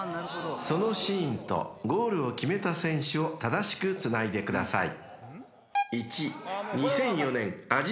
［そのシーンとゴールを決めた選手を正しくつないでください］